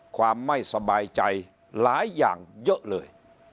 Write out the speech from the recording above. ความไม่สบายใจหลายอย่างเยอะเลย